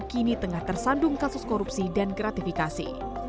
kini tengah tersandung kasus korupsi dan gratifikasi